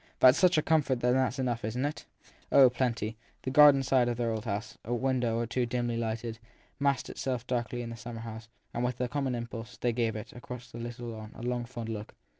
That s such a comfort that it s enough, isn t it ? Oh, plenty ! The garden side of their old house, a window or two dimly lighted, massed itself darkly in the summer night, and, with a common impulse, they gave it, across the little lawn, a long, fond look.